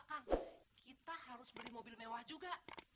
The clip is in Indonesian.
kang kita harus beli mobil mewah juga